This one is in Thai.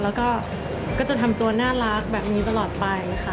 แล้วก็ก็จะทำตัวน่ารักแบบนี้ตลอดไปค่ะ